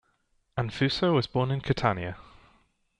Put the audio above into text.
Anfuso was born in Catania.